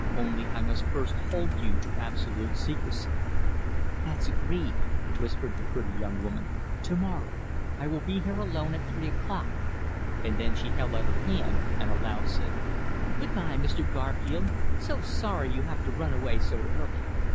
"Only I must first hold you to absolute secrecy." "That's agreed," whispered the pretty young woman. "To morrow. I will be here alone at three o'clock," and then she held out her hand, and aloud said: "Good bye, Mr. Garfield. So sorry you have to run away so early.